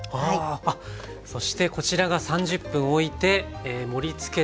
そしてこちらが３０分おいて盛りつけたものです。